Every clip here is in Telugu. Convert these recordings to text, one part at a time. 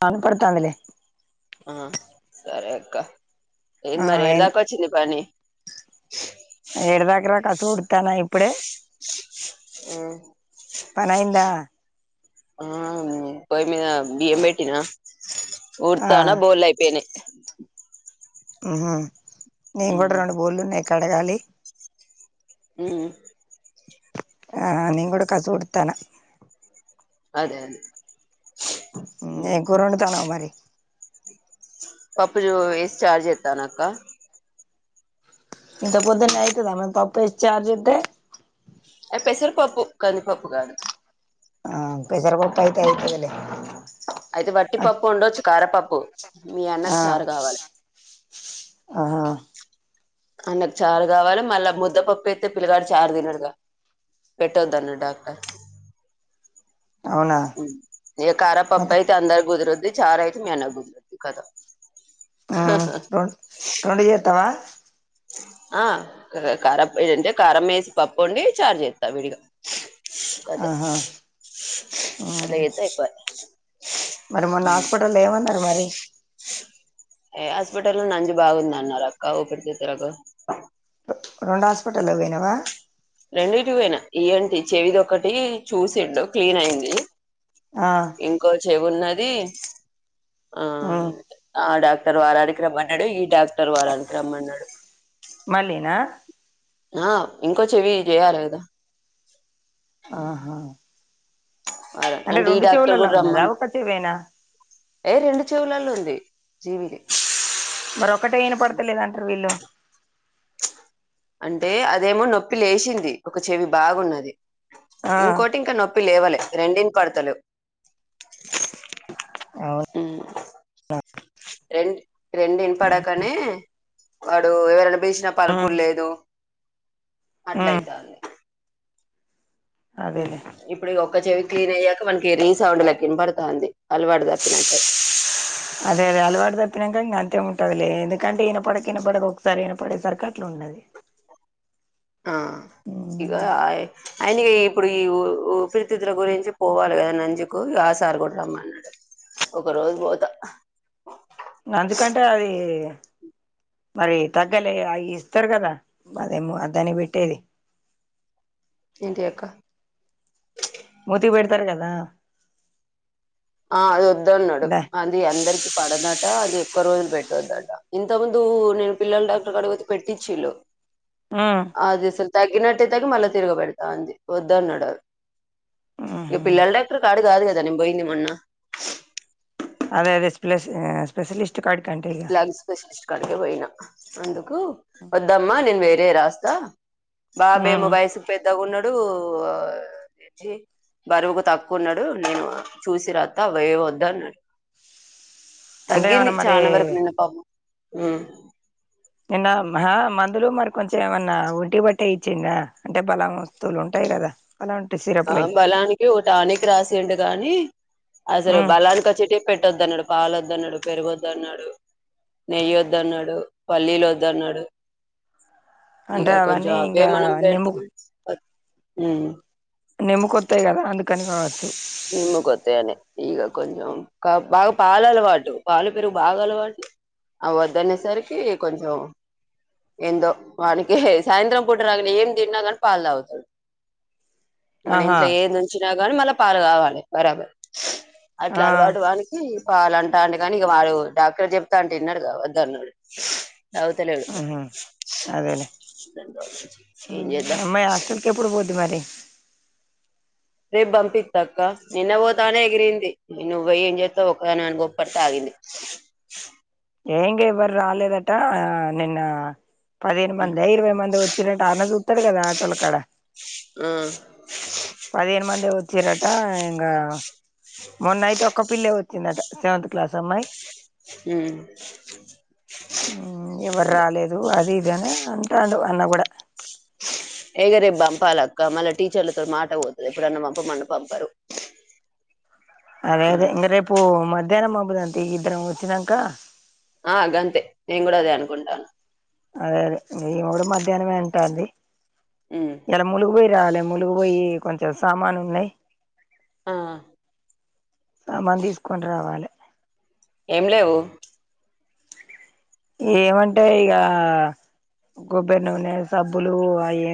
కనపడతాందిలే ఆ సరే అక్క ఏంది ఆ మరి ఎన్ ఏడదాకా వచ్చింది పని ఎడదక్ర కస ఉడతానా ఇప్ ప్పుడే ఆ ఆ పోయి మీ బిఎంబెటినా ఆ ఊడతానా బోలపోయినయ్ ఉహు నేను కూడా రొండు బోలున్నాయి కడగాలి ఊ ఆ నేను కూడా కసుడుతనా అదే అదే ఏం కూరోన్డుతనావ్ మరి పప్పు జొ చార్జెత్తానాకా ఇంత పొద్దున్నే ఐతదా మరి పపేస్ చార్జుతే ఎ పెసరు పపు కంది పపు కాదు ఆ పెసర్ పప్ప అయితే అయితదిలే అయితే వట్టిపప్పు ఉండొచ్చు కారపప్పు మీ అన్నకి చారు కావాలె ఆ అయినకు చారు కావాలి మళ్ళా ముద్దపప్పు ఎత్తే పిల్లగాడు చారు తినడుగా పెట్టొద్ అన్నడు డాక్టర్ అవునా మ్ ఇహ మరి కారపప్పుఅయితే అందరకుదిరిద్ది [unintelligible] చాతే మ్యా అన్న గుజరాత ద కద మ్ రెండు చేత్తావా ఆ కారప్పొడి ఉంటె కారం వేసి పప్పుఒండి చారు చేత్తా విడిగా వద్దు ఆహా ఉమ్ అది అయితే అయిపోద్ది మరి మొన్న హాస్పిటల్ లొ ఏమన్నారు మరి ఏ హాస్పిటల్ లో నంజి బాగుంది అన్నారు అక్క ఊపిరితిత్తులకు రెండు హాస్పిటల్లో పోయినావా రెండిటికి పోయినా ఇ. ఎన్. టి చెవిది ఒకటి చూసిండు క్లీన్ అయింది ఆ ఇంకో చెవున్నది ఏం.. ఆ ఉమ్ ఆడ వారానికి రమ్మన్నాడు ఈ టాబ్ అటర్ వారనికి రమ్మన్నాడు మళ్ళీనా ఆ ఇంకో చెవి చేయాలి కదా ఆహా అంటే ఈ రెండు డాక్టర్ చెవులలో కూడా ఉన్నదా రమ్మని ఒక చెవేనా ఏ రెండు చెవులల్లో ఉంది జీవిలి మర ఒకటే ఇన పడతలేదు అంటర్ వీళ్ళు అంటే అదేమో నొప్పి లేచింది ఒక చెవి బాగున్నది ఆ ఇంకోటి ఇంకా నొప్పి లేవలే రెండు ఇన్ పడతలేవ్ అవును రెండ్ రెండు ఇనపడకనే వాడు ఎవరైనా వేసిన పరుకు లేదు ఉమ్ అట్లయితాంది మ్ అదేలే ఇప్పుడిది ఒక ఒక చెవి క్లీన్ అయ్యాక మనకి రీ సౌండ్ లెక్క ఇనపడతాంది అలవాటు తప్పినట్టే అదే అదే అలవాటుదప్పినాకా ఇంకా అంతె ఉం టదిలే ఎందుకంటే ఇనపడక ఇనపడక ఒకసారే ఇనపడేసరికి అట్ల ఉన్నది ఆ ఇగ ఉమ్ ఆయ అయిన ఇప్పుడు ఈఊ ఉపిరితిత్తుల గురించి పోవాలి కదా నంజుకు ఆసార్గుడరమ్మన్నాడు ఒక రోజు పోతా నంజుకంటే అది మరి తగ్గలే అయి ఇస్తారు కదా అదేమో దానికి పెట్టేది ఏంటియి అక్క స్తారు కదా ఆ అది వద్దన్నాడు దా అది అందరికి పడదా ట అది ఎక్కువ రోజులు పెట్టొద్దట ఇంత ముందు నేను పిల్లల డాక్టర్ కాడికి పోతే పెట్టిచ్చుల్లు ఉమ్ అదే సల్ తగ్గినట్టయితర్ మళ్ళా తిరగబెడతాంది వద్దు అన్నాడు డా ఇగ ఉహు పిల్లల డాక్టర్ కాడ కాదు కదా నేను బొయింది మొన్నా అదే అదే స్ప్లె ఎ స్పెషలిస్ స్ట్ కాడికంటే ఇగా కి పోయినా అందుకు కు వద్దమ్మా నిన్ వే రే రాస్తా బాబేమో ఉమ్ వయసు పెద్దగా ఉన్నాడు డు బరువుకు తక్కువ ఉన్నాడు నేను చూసి రాత్తా అవేవి వద్దన్నాడు అంటే ఎవనమాట్ శానవరకి ఉన్నది పాపం ఉమ్ నిన్న అహ మందులు మరి కొంచెం ఏమన్నా ఒంటి బట్టే ఇచ్చింద అంటే బలం వస్తువులు ఉంటాయి కదా అలాంటి ఆ సిరపులయి బలానికి ఒక టానిక్ రాసిండు గాని అసలు ఉమ్ బలానికి వచ్చేటీయి పెట్ ట్ట వద్దన్నాడు పాలద్దన్నాడు పెరుగొద్దన్నాడు నెయ్యి వద్దు అన్నాడు పల్లీలు వద్దన్నాడు అంటే ఇక కొంచం అవన్నీ అవే ఇంకా మనం పెడ్తా నిమ్ము వ ఉమ్ నిమ్ముకొత్తాయి కదా అందు కని కావచ్చు నిమ్ముకొత్తేయనే ఈగ కొంచెం బాగా పాలు అలవాటు పాలు పెరుగు బాగా అలవాటు అవద్దనేసరికి కొంచెం ఏందో వాటి కే సాయంత్రం పూట రాగానే ఏం తిన్నా కానీ పాలు తాగుతాడు మన ఆహా ఇంట్లో ఏది ఉంచి నా గని మళ్ళ పాల్ గావాళే బరాబర్ అట్లా ఆ అలవాటు వానికి వాళ్లు అంటాండు కానీ ఇక వాడు డాక్టర్ చెప్తా అంటే విన్నాడు గా వద్దన్నాడు నవ్వుతలేదు ఉహు అదేలే ఏం ఉమ్, మీ చేద్దాం అమ్మాయి హాస్టల్కి ఎప్పుడు పోద్ది మరి రేపు పంపిత్తక్క నిన్న పోతమనే ఎగిరింది నువ్వు పోయ్ ఏం చేస్తావు ఒక్కదానివి అని కోప్పడితే ఆగింది. ఏ ఇంకా ఎవ్వరు రాలేదట నిన్న పదిహేను మంద ఇరవై మంద వచ్చిరంట అన్న చూత్తడు కదా ఆటోల కాడ ఆ పదిహేను మందే వచ్చిర్రటా ఆ ఇంగ మొన్న అయితే ఒక్క పిల్లే వచ్చిన్ చ్చిందట సెవంత్ క్లాస్ అమ్మాయి ఉమ్ ఆ ఎవరు రాలేదు అది [unintelligible] అంటాండు అన్న కూడా ఇగ రేపు పంపాలక్క మళ్ళా టీచర్లతో మాట పోతది ఎప్పుడన్న పంపమన్న పంపరు. అదే అదే ఇంగ రేపు మద్ ధ్యాహ్నం పంపుదాం తీ ఇద్దరం వచ్చినంకా. ఆ గంతే నేను కూడా అదే అనుకుంటాన అదే అదే ఈమె కూడా మధ్యాహ్నమే అంటాంది. ఉమ్ ఇయాల ములుగు పోయి రావాలి ములుగు వోయ్ కొంచెం సామాను ఉన్నాయ్ ఆ సామాను తీసుకొని రావాలి ఏం లేవు ఏమంటే ఇగా కొబ్బరి నూనె సబ్బులు అవి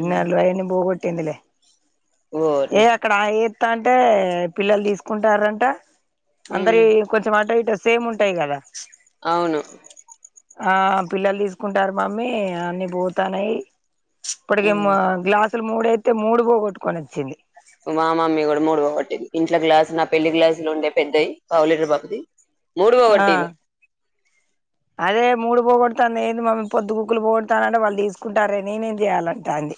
ఇన్నర్ లు అవన్ని పోగొట్టింది ట్టిందిలే ఏ ఓర్ని అక్కడ ఏ అంటే పిల్లలు తీసుకుంటారంట ఉమ్ అందరివి కొంచెం ఆటో ఇటో సేమ్ ఉంటాయి కదా అవును ఆ పిల్లలు తీసుకుంటారు మమ్మీ అన్ని పోతానయి ఉమ్ ఇప్పటికేమో గ్లాస్ మూడు అయితే మూడు పోగొట్టుకొని వచ్చింది మా మమ్మీ కూడా మూడు పోగొట్టింది ఇంట్ల గ్లాసు నా పెళ్లి గ్లాసులు ఉండే పెద్దయ్ పావులిటర్ బాపతీ మూడు ఆ వొగొట్టింది అదే మూడు పోగొడతాంది ఏందీ మమ్మీ పొద్దు పోక పోగొడతానంటే వాళ్ళు తీసుకుంటాన్రే నేనేం చేయాల అంటాంది.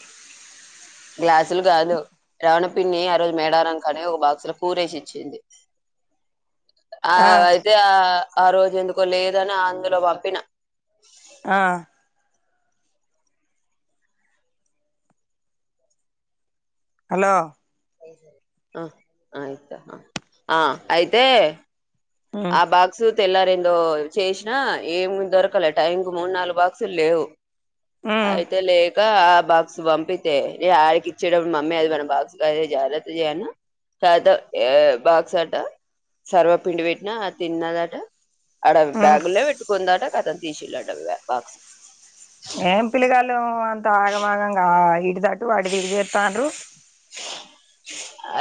గ్లాసులు కాదు శ్రావణి పిన్ని ఆ రోజు మేడారం కాన్నే ఓ బాక్సు లో కూరేసి ఇచ్చింది ఆ అయితే ఆ ఆ రోజు ఎందుకో లేదని అందులో పంపిన ఆ హలో ఆ ఆయితా ఆ అయితే ఉమ్ ఆ బాక్స్ తెల్లార ఏందో చేసినా ఏమి దొరకాలే టైంకు మూడు నాలుగు బాక్సులు లేవు ఉమ్ అయితే లేక బాక్స్ పంపితే ఆడికి ఇచ్చేటప్పుడు మమ్మీ అది మన బాక్స్ద జాగ్రత్త చేయను తర్వాత బాక్స్ అట్ట సర్వపిండి పెట్టి నా తిన్నదట అడ ఉమ్ బ్యాగులే పెట్టుకుందాట కద తీసుండు ఆట బాక్స్ ఏం పిల్లగాండ్లొ ఏమో అంత ఆగమాగంగా ఆ ఈ దాటు ఆడు తిరిగి వత్తండ్రు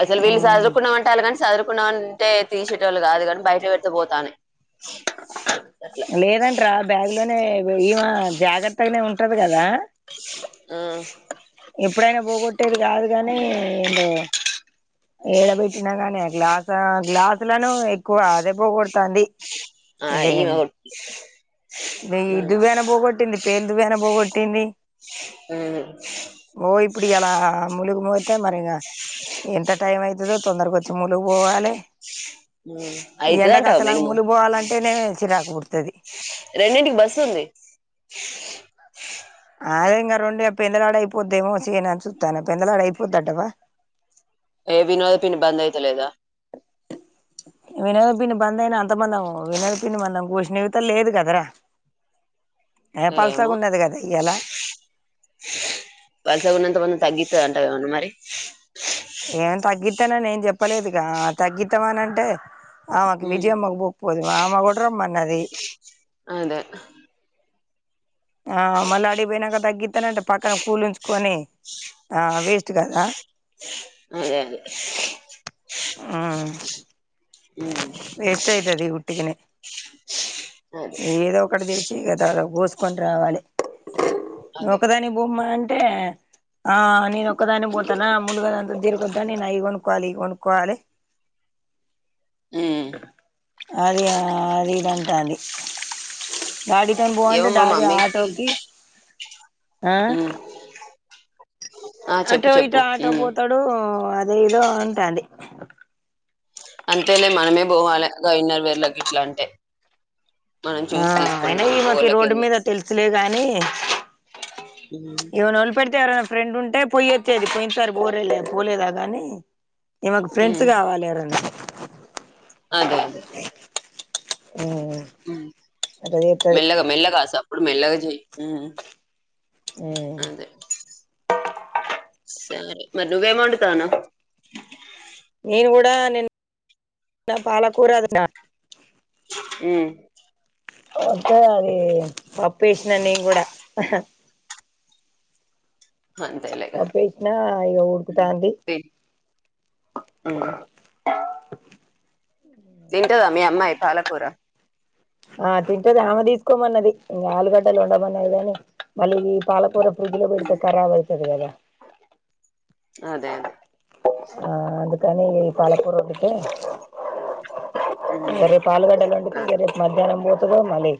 అసలు వీళ్ళ చదువు కున్నాం అంటలు కాని చదువుకున్నాంటే తీసేటోల్లు కాదు కానీ బయట పెడితే పోతాను లేదంటరా బ్యాగ్ లోనే ఈమా జాగ్రత్తగానే ఉంటది కదా ఎప్పుడైనా పోగొట్టేది కాదు కానీ ఏందో ఏడబెట్టినా గాని గ్లాస్ గ్లాసు లను ఎక్కువ అదే పోగడతంది. ఆ ఈ హు పెన్లు దువ్వెన పోగొట్టింది. హు ఓ ఇప్పుడు ఇయలా ములుగు పోతే మరి ఎంత టైం అయితదో తొందరక వచ్చి ములుగు పోవాలి. ఈ అయితదంటావా ఎండకచ్చలాగా మినిమం ములగు పోవాలంటేనే చిరాకపుడుతూ తది రెండింటికి బస్సు ఉంది. అదే ఇంగా రెండు పెందలాడ అయిపోద్దేమో చేయనుని చూస్తాను పెందలాడ అయిపోద్దటవా ఏ వినోద పిని బంద్ అయాతలేదా వినద పిన్ని బంద్ అయినా అంతమందిము వినద పిన్ని మందం కూర్చి లేదు కదరా ఏ ఏమో పలసగా ఉన్నది కదా ఇయ్యాల [unintelligible] గున్నంత మంది తగ్గి అంతే అంటవ ఉన్న మరి ఏం తగ్గిత్తనని ఏం చెప్పలేదుగా తగ్గిద్దామనింటే ఆమెకు హ్మ్ విజయమ్మకు పోకుపోదుమా ఆమా కూడా రమ్ ఆది అదే ఆ మళ్ళ ఆడికి పోయినాక తగ్గి ఎత్తనంటే పక్కన కూలించుకొని ఆ వేస్ట్ కదా అదే అదే హ్మ్ వేస్ట్ అయితది ఉట్టిగనే అదే ఏదో ఒకటి చేసి ఇగ దానికి పోసు కొని రావాలి నువ్ అదే ఒకదాని బొమ్మా అం అంటే ఆ నేను ఒక్కదాని పోతానా ముూలుగా దేనికొద్దని నేను అవి కొనుక్కోవాలి ఇవి కొనుక్కోవాలి మ్మ్ [unintelligible] అంటాంది ఏమో మా గాడితోని [unintelligible] మమ్మీకి ఆటోకి ఆ హ్మ్ ఆ చెప్పు అటో ఇటో చెప్పు ఆటో హ్మ్ పోతాడు ఏదో అంటంది అంతేలే మనమే పోవాలి గ ఇన్నర్ వీళ్ళకి ఇట్ల అంటే మనం ఆ చూసి అయిన తీసుకుంటాం ఈ మాకి ఈ మగోళ్ళకేం రోడ్డు మీద తెలుసు తెలుసులే గాని హ్మ్ ఏవన్నా వాళ్లు పెడితే [inaudible] ఫ్రెండ్ ఉంటే పొయొచ్చేది. పోయిన్సారి పోరేలే పోలేదా గాని ఈమెకు ఫ్రెండ్స్ హ్మ్ కావాలి ఎవరన్న ఉంటే అదే అదే ఉమ్ అట్లా చేత్తది మెల్లగా మెల్లగా ఆస మెల్లగ చెయ్ మ్మ్ అదే మరి నువ్వేం వొండుతున్నావ్ నేన్ పాలకూర ఒండుతా హ్మ్ అంటది పప్పేసినా నేన్ కూడా అంతేలే ఇగ పప్పేసినా ఇగ హ్మ్ ఉడుకుతాంది తియ్ హ్మ్ తింటదా మీ అమ్మాయి పాలకూర ఆ తింటది ఆమె తీసుకోమన్నది ఇంకా ఆలుగడ్డలు వండమన్నది కాని మళ్ళీ ఈ పాలకూర విడిగా హ్మ్ [unintelligible] రావాలి [inaudible] అదే అదే ఆ అందుకని ఇక ఈ పాలకూర ఉడికితే హ్మ్ సరే పాలువడ్డ అదే [inaudible] రేపు మధ్యాహ్నం ఏమో మరి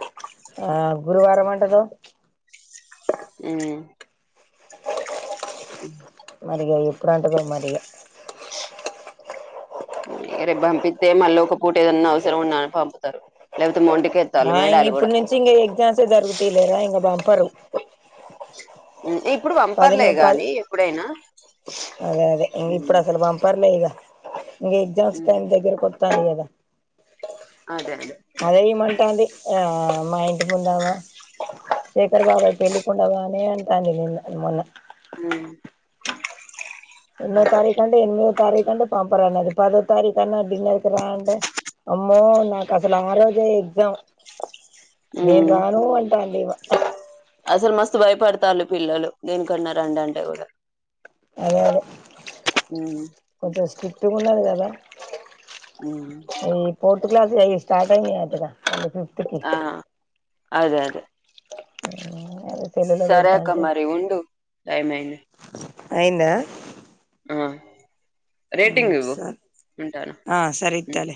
ఆ గురువారం అంట గా మ్మ్ మరిగా ఎప్పుడు అంటదో మరి రేపు పంపిస్తే మళ్ళీ ఒక పూట ఏదన్నా అవసరం ఉన్నా అని పంపుతారు లేకపోతే మొండి ఆ ఇంగ ఇప్పుడు నుంచి ఇంక ఎగ్జామ్సే జరుగుతయిలేరా ఇంకా బంపరు ఇప్ అదే అదే ఇ ఇప్పుడు అసలు పంపర్లే ఇద ఇంక ఎగ్జామ్స్ టైం దగ్గరికి వత్తాంది కదా అదే అదే ఈమంటాంది ఆ మా ఇంటి ముందామ శేఖర్ బాబాయ్ పెళ్ళికుండవా అని అంటాంది నిన్న మొన్న హ్మ్ ఎన్నో తారీఖ అంటే ఎనిమిదో తారీఖంటే పం అప్పుడన్నది పదో తారీఖు అన్న డిన్నర్కి రా అంటే అమ్మో నాకు అసలు ఆరోజే ఎగ్జామ్ నేన్ రాను అంటాంది‌ ఈమె అదే అసలు మస్తు భయపడతారు పిల్లలు దేనికన్న రండి అంటే కూడా అదే అదే హ్మ్ కొంచెం స్ట్రిక్ట్ గా ఉన్నాది కదా హ్మ్ ఈ ఫోర్త్ క్లాస్యి అయి స్టార్ట్ అయినయ్యంటగా ఆ అదే అదే అ సరే అక్క మరి ఉండు టైమైంది అయిందా ఆ హ్మ్ సరే ఆ సరే ఇత్తాలే